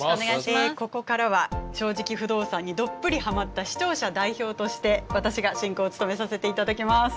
ここからは「正直不動産」にどっぷりハマッた視聴者代表として私が進行を務めさせていただきます。